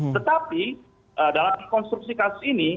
tetapi dalam konstruksi kasus ini